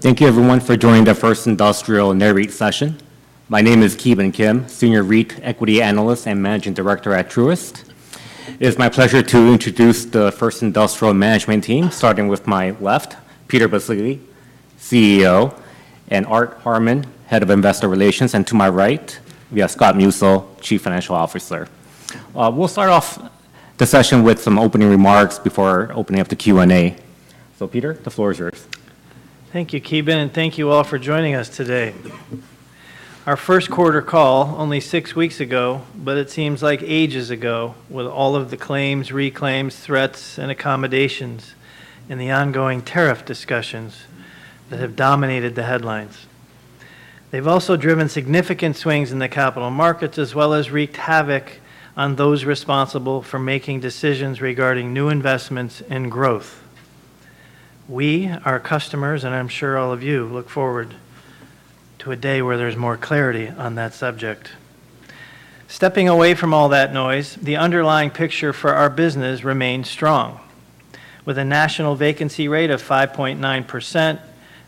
Thank you, everyone, for joining the First Industrial Realty Trust session. My name is Ki Bin Kim, Senior Realty Equity Analyst and Managing Director at Truist. It is my pleasure to introduce the First Industrial Management Team, starting with my left, Peter Baccile, CEO, and Art Harmon, Head of Investor Relations. To my right, we have Scott Musil, Chief Financial Officer. We'll start off the session with some opening remarks before opening up the Q&A. Peter, the floor is yours. Thank you, Keeban, and thank you all for joining us today. Our first quarter call, only 6 weeks ago, but it seems like ages ago with all of the claims, reclaims, threats, and accommodations in the ongoing tariff discussions that have dominated the headlines. They have also driven significant swings in the capital markets, as well as wreaked havoc on those responsible for making decisions regarding new investments and growth. We, our customers, and I am sure all of you, look forward to a day where there is more clarity on that subject. Stepping away from all that noise, the underlying picture for our business remains strong, with a national vacancy rate of 5.9%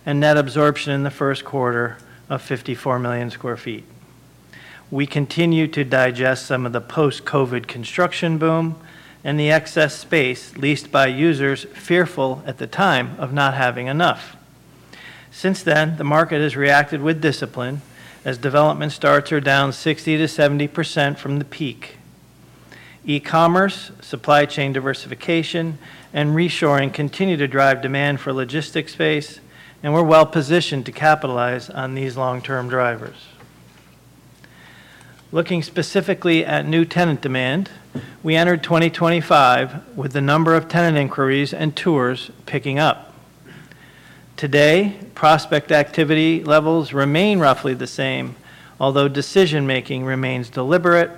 and net absorption in the first quarter of 54 million sq ft We continue to digest some of the post-COVID construction boom and the excess space leased by users fearful at the time of not having enough. Since then, the market has reacted with discipline as development starts are down 60-70% from the peak. E-commerce, supply chain diversification, and reshoring continue to drive demand for logistics space, and we're well positioned to capitalize on these long-term drivers. Looking specifically at new tenant demand, we entered 2025 with the number of tenant inquiries and tours picking up. Today, prospect activity levels remain roughly the same, although decision-making remains deliberate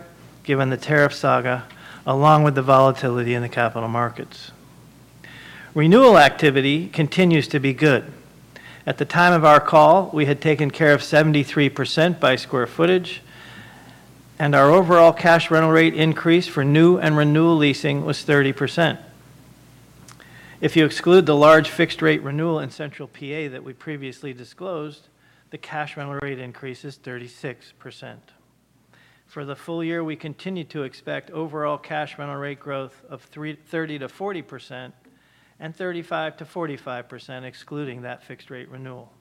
given the tariff saga, along with the volatility in the capital markets. Renewal activity continues to be good. At the time of our call, we had taken care of 73% by square footage, and our overall cash rental rate increase for new and renewal leasing was 30%. If you exclude the large fixed-rate renewal in Central PA that we previously disclosed, the cash rental rate increase is 36%. For the full year, we continue to expect overall cash rental rate growth of 30-40% and 35-45% excluding that fixed-rate renewal.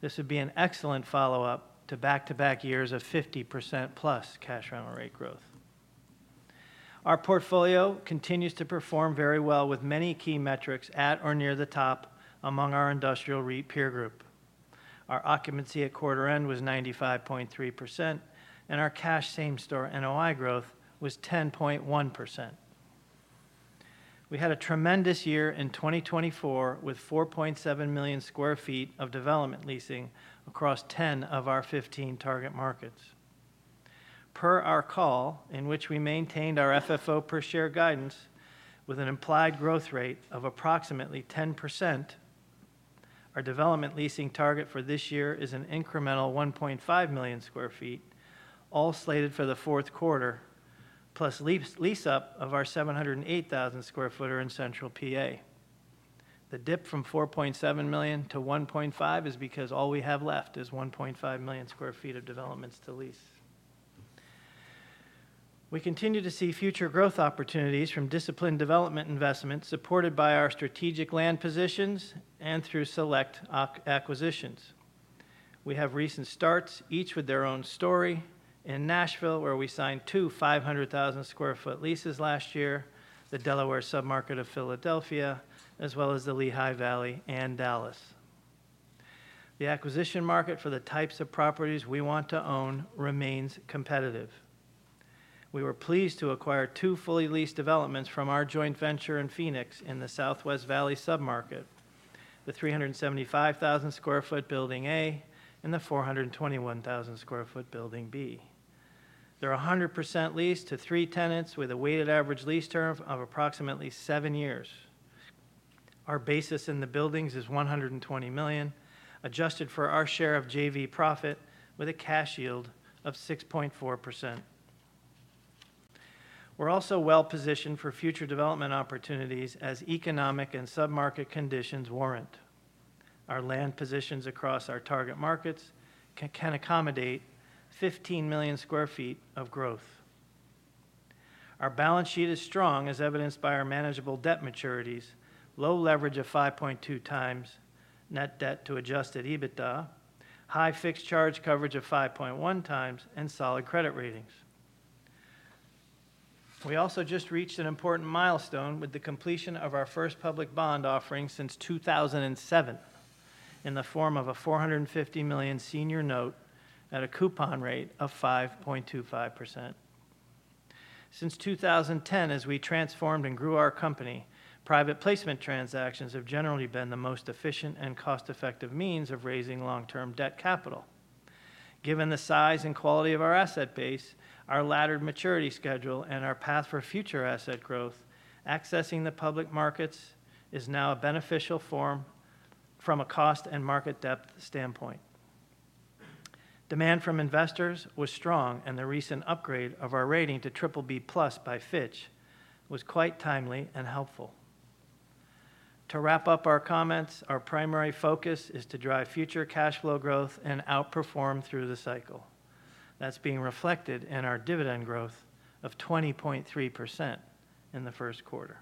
This would be an excellent follow-up to back-to-back years of 50% plus cash rental rate growth. Our portfolio continues to perform very well with many key metrics at or near the top among our industrial peer group. Our occupancy at quarter-end was 95.3%, and our cash same-store NOI growth was 10.1%. We had a tremendous year in 2024 with 4.7 million sq ft of development leasing across 10 of our 15 target markets. Per our call, in which we maintained our FFO per share guidance with an implied growth rate of approximately 10%, our development leasing target for this year is an incremental 1.5 million sq ft, all slated for the fourth quarter, plus lease-up of our 708,000 sq footer in Central PA. The dip from 4.7 million to 1.5 is because all we have left is 1.5 million sq ft of developments to lease. We continue to see future growth opportunities from disciplined development investments supported by our strategic land positions and through select acquisitions. We have recent starts, each with their own story, in Nashville, where we signed 2 500,000 sq ft leases last year, the Delaware submarket of Philadelphia, as well as the Lehigh Valley and Dallas. The acquisition market for the types of properties we want to own remains competitive. We were pleased to acquire 2 fully leased developments from our Joint Venture in Phoenix in the Southwest Valley submarket, the 375,000 sq ft Building A and the 421,000 sq ft Building B. They're 100% leased to three tenants with a weighted average lease term of approximately seven years. Our basis in the buildings is $120 million, adjusted for our share of JV profit, with a cash yield of 6.4%. We're also well positioned for future development opportunities as economic and submarket conditions warrant. Our land positions across our target markets can accommodate 15 million sq ft of growth. Our balance sheet is strong, as evidenced by our manageable debt maturities, low leverage of 5.2 times net debt to adjusted EBITDA, high fixed charge coverage of 5.1 times, and solid credit ratings. We also just reached an important milestone with the completion of our first public bond offering since 2007 in the form of a $450 million senior note at a coupon rate of 5.25%. Since 2010, as we transformed and grew our company, private placement transactions have generally been the most efficient and cost-effective means of raising long-term debt capital. Given the size and quality of our asset base, our laddered maturity schedule, and our path for future asset growth, accessing the public markets is now a beneficial form from a cost and market depth standpoint. Demand from investors was strong, and the recent upgrade of our rating to BBB+ by Fitch was quite timely and helpful. To wrap up our comments, our primary focus is to drive future cash flow growth and outperform through the cycle. That is being reflected in our dividend growth of 20.3% in the first quarter.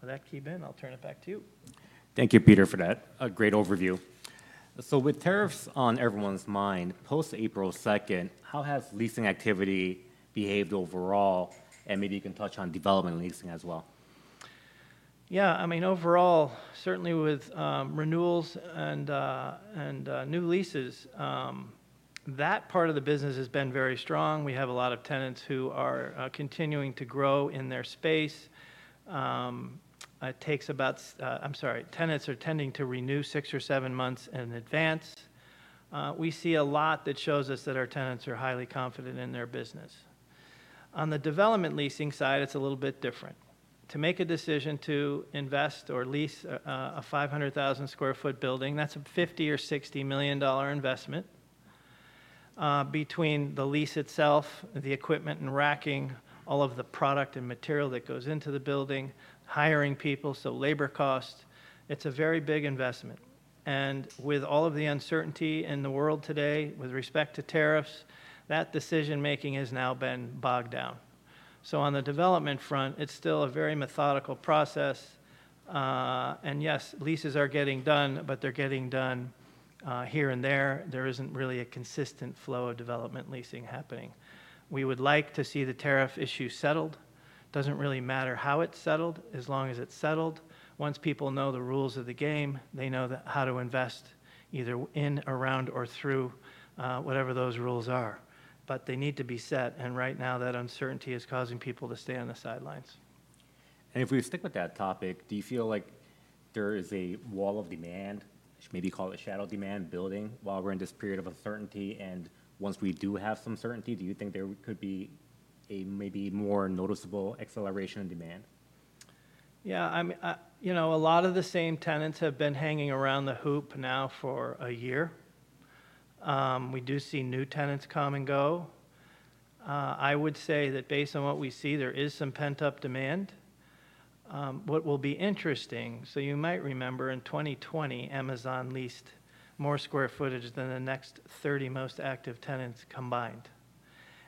With that, Keeban, I'll turn it back to you. Thank you, Peter, for that great overview. With tariffs on everyone's mind post-April 2nd, how has leasing activity behaved overall? Maybe you can touch on development leasing as well. Yeah, I mean, overall, certainly with renewals and new leases, that part of the business has been very strong. We have a lot of tenants who are continuing to grow in their space. It takes about, I'm sorry, tenants are tending to renew 6 or seven months in advance. We see a lot that shows us that our tenants are highly confident in their business. On the development leasing side, it's a little bit different. To make a decision to invest or lease a 500,000 sq ft building, that's a $50 million or $60 million investment between the lease itself, the equipment and racking, all of the product and material that goes into the building, hiring people, so labor costs. It's a very big investment. With all of the uncertainty in the world today with respect to tariffs, that decision-making has now been bogged down. On the development front, it's still a very methodical process. Yes, leases are getting done, but they're getting done here and there. There isn't really a consistent flow of development leasing happening. We would like to see the tariff issue settled. It doesn't really matter how it's settled, as long as it's settled. Once people know the rules of the game, they know how to invest either in, around, or through whatever those rules are. They need to be set. Right now, that uncertainty is causing people to stay on the sidelines. If we stick with that topic, do you feel like there is a wall of demand, maybe call it shadow demand, building while we're in this period of uncertainty? Once we do have some certainty, do you think there could be a maybe more noticeable acceleration in demand? Yeah, I mean, you know, a lot of the same tenants have been hanging around the hoop now for a year. We do see new tenants come and go. I would say that based on what we see, there is some pent-up demand. What will be interesting, you might remember in 2020, Amazon leased more square footage than the next 30 most active tenants combined.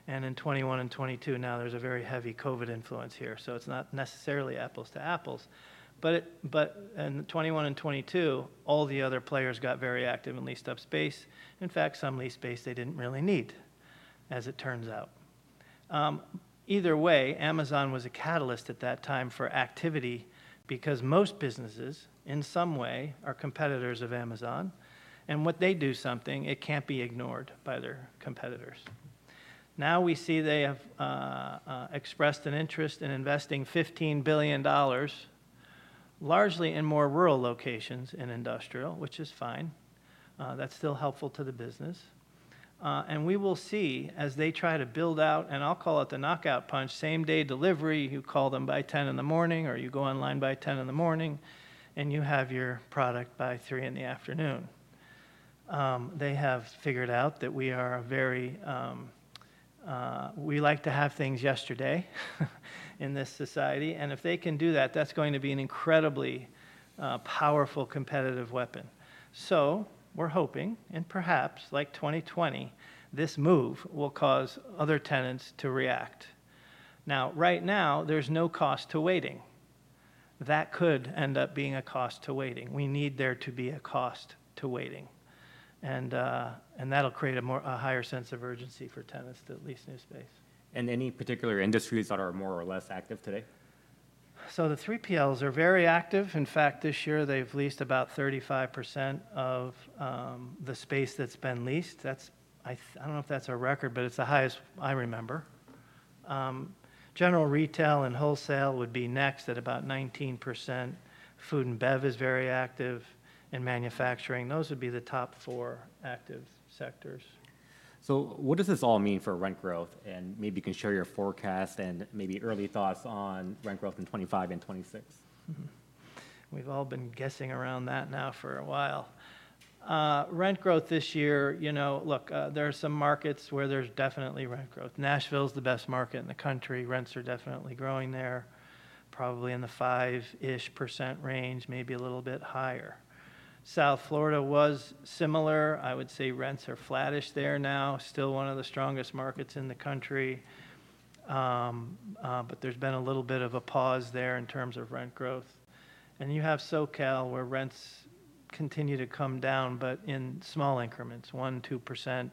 In 2021 and 2022, now there's a very heavy COVID influence here. It is not necessarily apples to apples. In 2021 and 2022, all the other players got very active and leased up space. In fact, some leased space they did not really need, as it turns out. Either way, Amazon was a catalyst at that time for activity because most businesses, in some way, are competitors of Amazon. When they do something, it cannot be ignored by their competitors. Now we see they have expressed an interest in investing $15 billion, largely in more rural locations in industrial, which is fine. That is still helpful to the business. We will see as they try to build out, and I will call it the knockout punch, same-day delivery. You call them by 10:00 in the morning, or you go online by 10:00 in the morning, and you have your product by 3:00 in the afternoon. They have figured out that we are a very we like to have things yesterday in this society. If they can do that, that is going to be an incredibly powerful competitive weapon. We are hoping, and perhaps like 2020, this move will cause other tenants to react. Right now, there is no cost to waiting. That could end up being a cost to waiting. We need there to be a cost to waiting. That'll create a higher sense of urgency for tenants to lease new space. there any particular industries that are more or less active today? The 3PLs are very active. In fact, this year, they've leased about 35% of the space that's been leased. I don't know if that's a record, but it's the highest I remember. General retail and wholesale would be next at about 19%. Food and bev is very active in manufacturing. Those would be the top four active sectors. What does this all mean for rent growth? Maybe you can share your forecast and maybe early thoughts on rent growth in 2025 and 2026. We've all been guessing around that now for a while. Rent growth this year, you know, look, there are some markets where there's definitely rent growth. Nashville is the best market in the country. Rents are definitely growing there, probably in the 5% range, maybe a little bit higher. South Florida was similar. I would say rents are flattish there now, still one of the strongest markets in the country. There has been a little bit of a pause there in terms of rent growth. You have SoCal, where rents continue to come down, but in small increments, 1%-2%.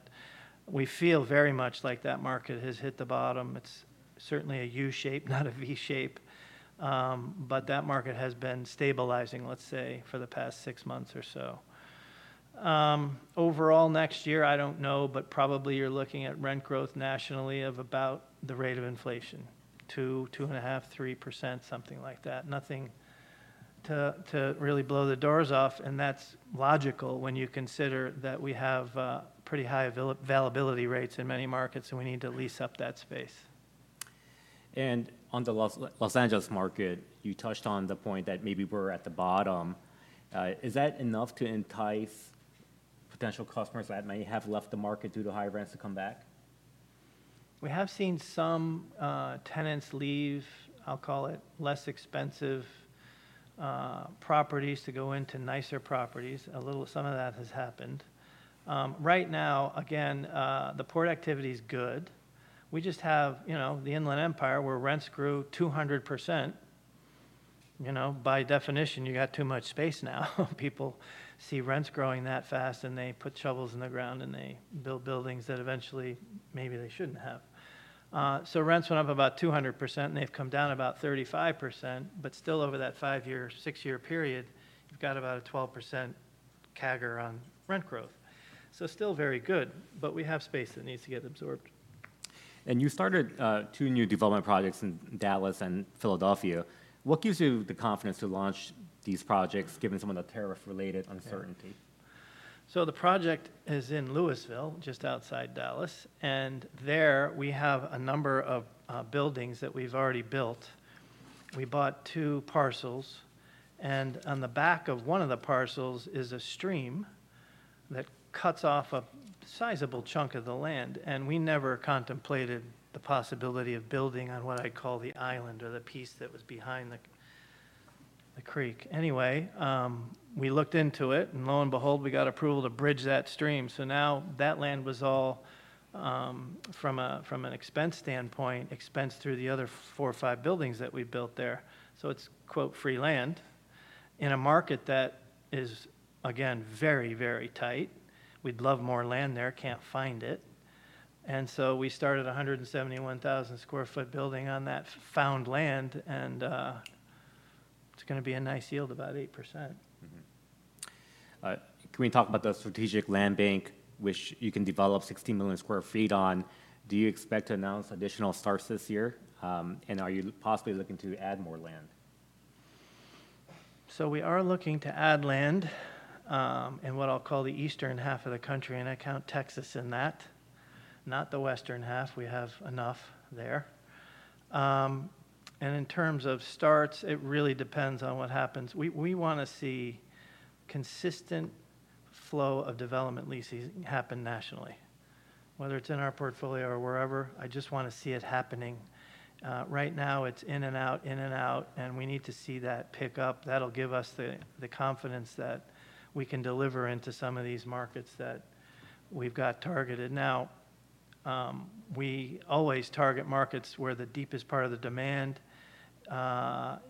We feel very much like that market has hit the bottom. It's certainly a U-shape, not a V-shape. That market has been stabilizing, let's say, for the past 6 months or so. Overall, next year, I don't know, but probably you're looking at rent growth nationally of about the rate of inflation, 2%, 2.5%, 3%, something like that. Nothing to really blow the doors off. That's logical when you consider that we have pretty high availability rates in many markets, and we need to lease up that space. On the Los Angeles market, you touched on the point that maybe we're at the bottom. Is that enough to entice potential customers that may have left the market due to high rents to come back? We have seen some tenants leave, I'll call it less expensive properties to go into nicer properties. A little, some of that has happened. Right now, again, the port activity is good. We just have, you know, the Inland Empire, where rents grew 200%. You know, by definition, you got too much space now. People see rents growing that fast, and they put shovels in the ground, and they build buildings that eventually maybe they shouldn't have. Rents went up about 200%, and they've come down about 35%. Still, over that 5-year, 6-year period, you've got about a 12% CAGR on rent growth. Still very good, but we have space that needs to get absorbed. You started 2 new development projects in Dallas and Philadelphia. What gives you the confidence to launch these projects, given some of the tariff-related uncertainty? The project is in Lewisville, just outside Dallas. There, we have a number of buildings that we've already built. We bought 2 parcels. On the back of one of the parcels is a stream that cuts off a sizable chunk of the land. We never contemplated the possibility of building on what I call the island or the piece that was behind the creek. Anyway, we looked into it, and lo and behold, we got approval to bridge that stream. Now that land was all, from an expense standpoint, expensed through the other four or 5 buildings that we built there. It is, quote, "free land" in a market that is, again, very, very tight. We'd love more land there, can't find it. We started a 171,000 sq ft building on that found land. It's going to be a nice yield of about 8%. Can we talk about the Strategic Land Bank, which you can develop 16 million sq ft on? Do you expect to announce additional starts this year? Are you possibly looking to add more land? We are looking to add land in what I'll call the Eastern half of the country, and I count Texas in that, not the Western half. We have enough there. In terms of starts, it really depends on what happens. We want to see consistent flow of development leases happen nationally, whether it's in our portfolio or wherever. I just want to see it happening. Right now, it's in and out, in and out. We need to see that pick up. That will give us the confidence that we can deliver into some of these markets that we've got targeted. We always target markets where the deepest part of the demand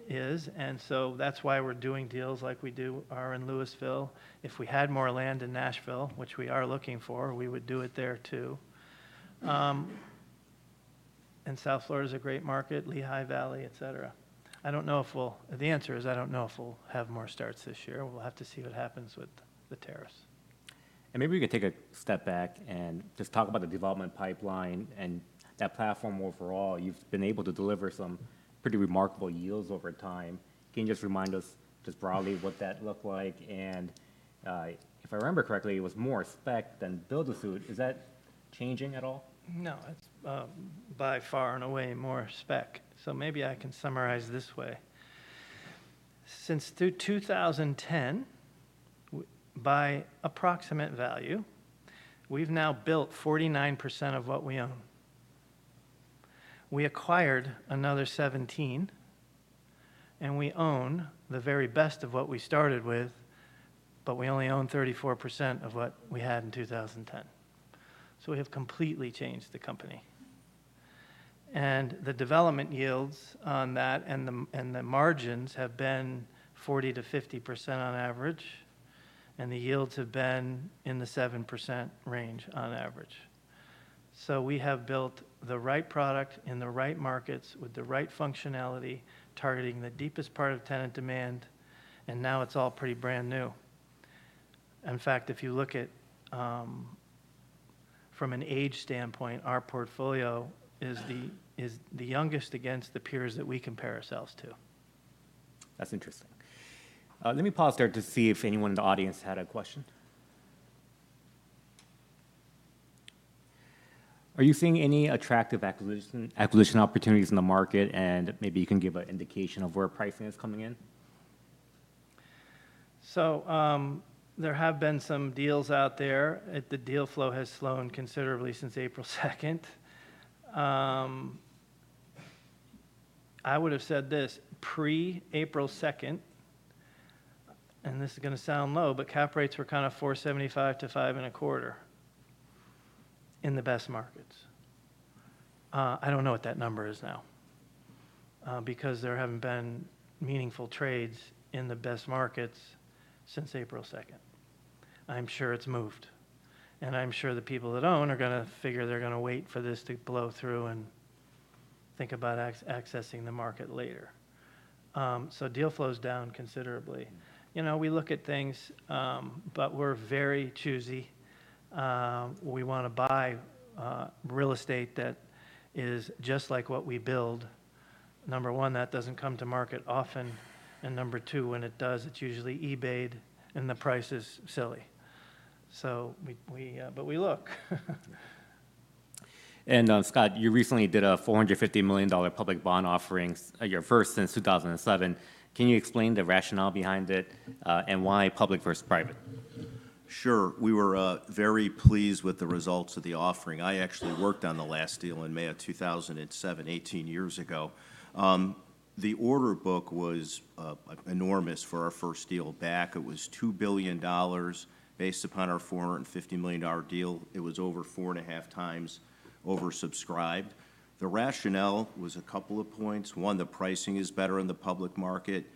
is. That's why we're doing deals like we do in Lewisville. If we had more land in Nashville, which we are looking for, we would do it there too. South Florida is a great market, Lehigh Valley, et cetera. I do not know if we will have more starts this year. We will have to see what happens with the tariffs. Maybe we can take a step back and just talk about the development pipeline and that platform overall. You've been able to deliver some pretty remarkable yields over time. Can you just remind us just broadly what that looked like? If I remember correctly, it was more spec than build-to-suit. Is that changing at all? No, it's by far and away more spec. Maybe I can summarize this way. Since 2010, by approximate value, we've now built 49% of what we own. We acquired another 17%, and we own the very best of what we started with, but we only own 34% of what we had in 2010. We have completely changed the company. The development yields on that and the margins have been 40%-50% on average. The yields have been in the 7% range on average. We have built the right product in the right markets with the right functionality, targeting the deepest part of tenant demand. Now it's all pretty brand new. In fact, if you look at from an age standpoint, our portfolio is the youngest against the peers that we compare ourselves to. That's interesting. Let me pause there to see if anyone in the audience had a question. Are you seeing any attractive acquisition opportunities in the market? Maybe you can give an indication of where pricing is coming in. There have been some deals out there. The deal flow has slowed considerably since April 2. I would have said this pre-April 2, and this is going to sound low, but cap rates were kind of 4.75%-5.25% in the best markets. I do not know what that number is now because there have not been meaningful trades in the best markets since April 2. I am sure it has moved. I am sure the people that own are going to figure they are going to wait for this to blow through and think about accessing the market later. Deal flow is down considerably. You know, we look at things, but we are very choosy. We want to buy real estate that is just like what we build. Number one, that does not come to market often. And number 2, when it does, it is usually eBayed, and the price is silly. But we look. Scott, you recently did a $450 million public bond offering, your first since 2007. Can you explain the rationale behind it and why public versus private? Sure. We were very pleased with the results of the offering. I actually worked on the last deal in May of 2007, 18 years ago. The order book was enormous for our first deal back. It was $2 billion. Based upon our $450 million deal, it was over four and a half times oversubscribed. The rationale was a couple of points. One, the pricing is better in the public market.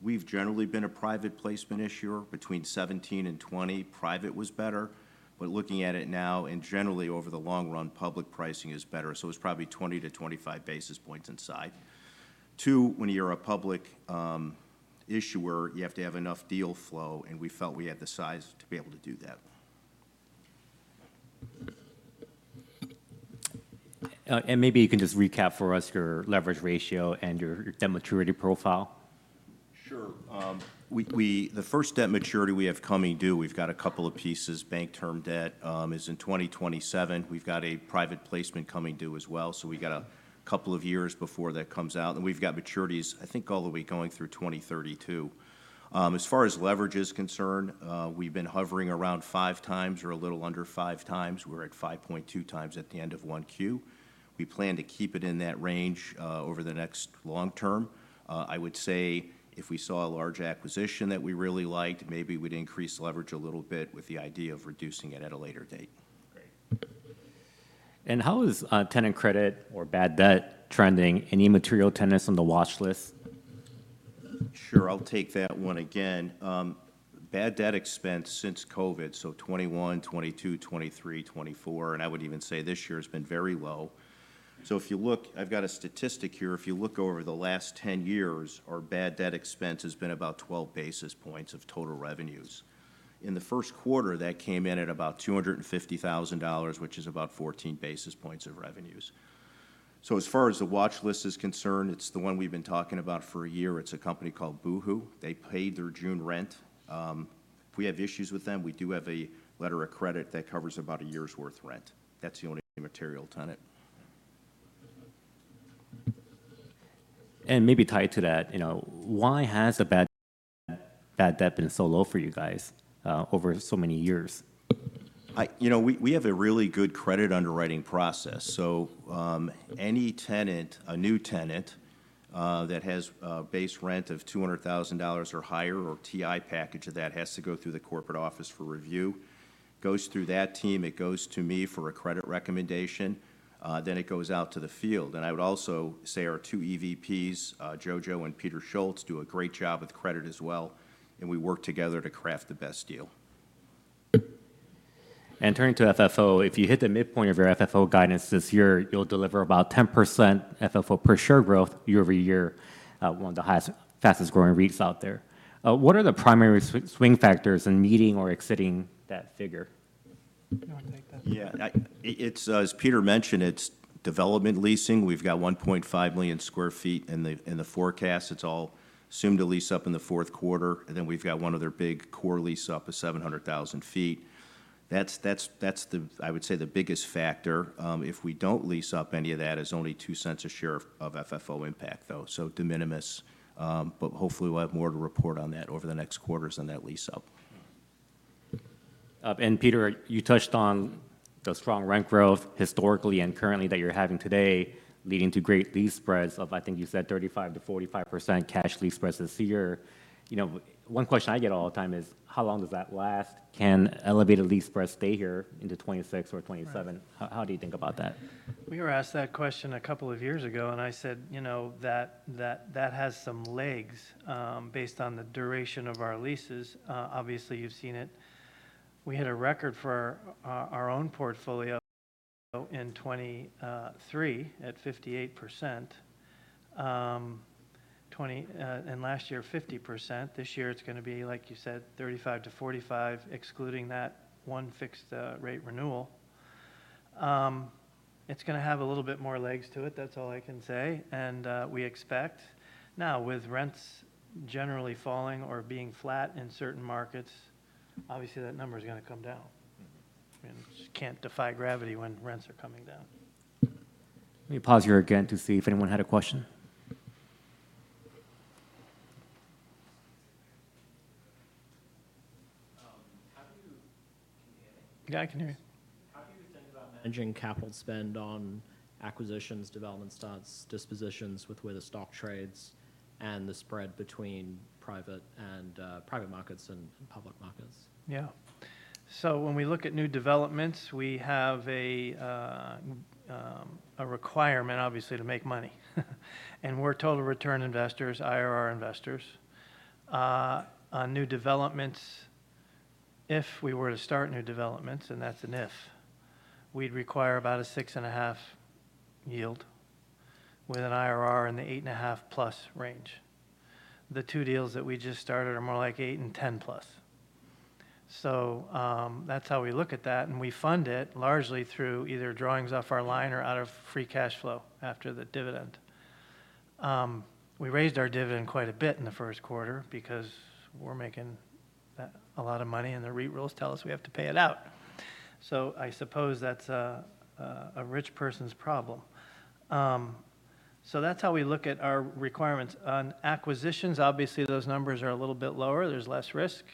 We've generally been a private placement issuer between 2017 and 2020. Private was better. Looking at it now, and generally over the long run, public pricing is better. It is probably 20-25 basis points inside. 2, when you're a public issuer, you have to have enough deal flow. We felt we had the size to be able to do that. Maybe you can just recap for us your leverage ratio and your debt maturity profile. Sure. The first debt maturity we have coming due, we've got a couple of pieces. Bank term debt is in 2027. We've got a private placement coming due as well. We've got a couple of years before that comes out. We've got maturities, I think, all the way going through 2032. As far as leverage is concerned, we've been hovering around 5 times or a little under 5 times. We're at 5.2 times at the end of one Q. We plan to keep it in that range over the next long term. I would say if we saw a large acquisition that we really liked, maybe we'd increase leverage a little bit with the idea of reducing it at a later date. How is tenant credit or bad debt trending? Any material tenants on the watch list? Sure. I'll take that one again. Bad debt expense since COVID, so 2021, 2022, 2023, 2024, and I would even say this year has been very low. If you look, I've got a statistic here. If you look over the last 10 years, our bad debt expense has been about 12 basis points of total revenues. In the first quarter, that came in at about $250,000, which is about 14 basis points of revenues. As far as the watch list is concerned, it's the one we've been talking about for a year. It's a company called Boohoo. They paid their June rent. If we have issues with them, we do have a letter of credit that covers about a year's worth rent. That's the only material tenant. Maybe tied to that, you know, why has the bad debt been so low for you guys over so many years? You know, we have a really good credit underwriting process. So any tenant, a new tenant that has a base rent of $200,000 or higher or TI package of that has to go through the corporate office for review. Goes through that team. It goes to me for a credit recommendation. Then it goes out to the field. I would also say our 2 EVPs, Jojo and Peter Schultz, do a great job with credit as well. We work together to craft the best deal. Turning to FFO, if you hit the midpoint of your FFO guidance this year, you'll deliver about 10% FFO per share growth year over year, one of the fastest growing REITs out there. What are the primary swing factors in meeting or exceeding that figure? You want to take that? Yeah. As Peter mentioned, it's development leasing. We've got 1.5 million sq ft in the forecast. It's all soon to lease up in the fourth quarter. Then we've got one other big core lease up of 700,000 sq ft. That's, I would say, the biggest factor. If we don't lease up any of that, it's only $0.02 a share of FFO impact, though, so de minimis. Hopefully, we'll have more to report on that over the next quarters on that lease up. Peter, you touched on the strong rent growth historically and currently that you're having today, leading to great lease spreads of, I think you said, 35%-45% cash lease spreads this year. You know, one question I get all the time is, how long does that last? Can elevated lease spreads stay here into 2026 or 2027? How do you think about that? We were asked that question a couple of years ago. I said, you know, that has some legs based on the duration of our leases. Obviously, you've seen it. We had a record for our own portfolio in 2023 at 58%, and last year 50%. This year, it's going to be, like you said, 35%-45%, excluding that one fixed rate renewal. It's going to have a little bit more legs to it. That's all I can say. We expect. Now, with rents generally falling or being flat in certain markets, obviously, that number is going to come down. We just can't defy gravity when rents are coming down. Let me pause here again to see if anyone had a question. How do you... Can you hear me? Yeah, I can hear you. How do you think about managing capital spend on acquisitions, development starts, dispositions with the way the stock trades, and the spread between private and public markets? Yeah. When we look at new developments, we have a requirement, obviously, to make money. And we're total return investors, IRR investors. On new developments, if we were to start new developments, and that's an if, we'd require about a 6.5% yield with an IRR in the 8.5% plus range. The 2 deals that we just started are more like 8% and 10% plus. That's how we look at that. We fund it largely through either drawings off our line or out of free cash flow after the dividend. We raised our dividend quite a bit in the first quarter because we're making a lot of money. The REIT rules tell us we have to pay it out. I suppose that's a rich person's problem. That's how we look at our requirements. On acquisitions, obviously, those numbers are a little bit lower. There's less risk,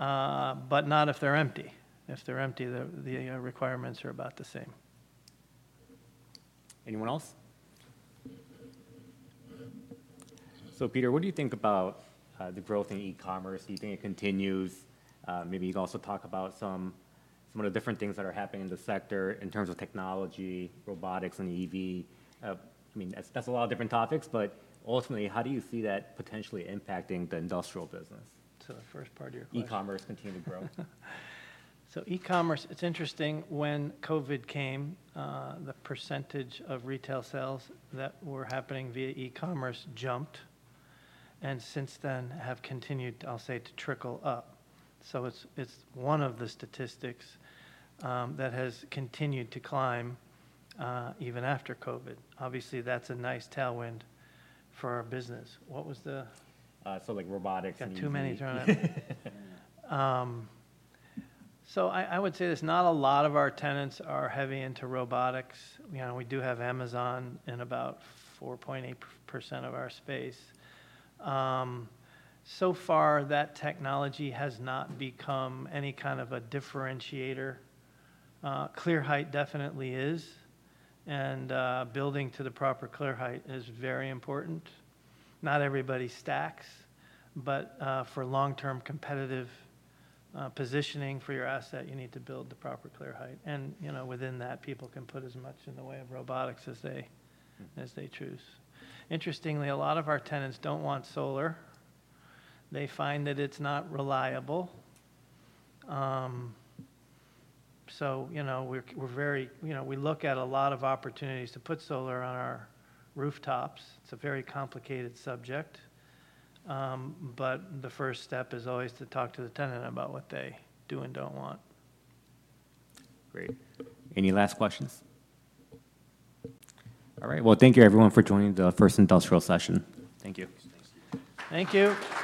but not if they're empty. If they're empty, the requirements are about the same. Anyone else? Peter, what do you think about the growth in e-commerce? Do you think it continues? Maybe you can also talk about some of the different things that are happening in the sector in terms of technology, robotics, and EV. I mean, that's a lot of different topics. Ultimately, how do you see that potentially impacting the industrial business? To the first part of your question. E-commerce continue to grow? E-commerce, it's interesting. When COVID came, the percentage of retail sales that were happening via e-commerce jumped and since then have continued, I'll say, to trickle up. It's one of the statistics that has continued to climb even after COVID. Obviously, that's a nice tailwind for our business. What was the... Like robotics and... Got too many terms. I would say it's not a lot of our tenants are heavy into robotics. We do have Amazon in about 4.8% of our space. So far, that technology has not become any kind of a differentiator. Clear height definitely is. Building to the proper clear height is very important. Not everybody stacks. For long-term competitive positioning for your asset, you need to build the proper clear height. Within that, people can put as much in the way of robotics as they choose. Interestingly, a lot of our tenants do not want solar. They find that it is not reliable. We look at a lot of opportunities to put solar on our rooftops. It is a very complicated subject. The first step is always to talk to the tenant about what they do and do not want. Great. Any last questions? All right. Thank you, everyone, for joining the First Industrial session. Thank you. Thank you.